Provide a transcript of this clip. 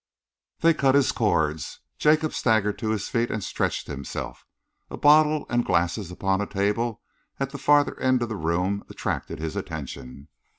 They cut his cords. Jacob staggered to his feet and stretched himself. A bottle and glasses upon a table at the farther end of the room attracted his attention.